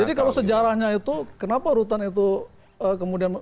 jadi kalau sejarahnya itu kenapa rutan itu kemudian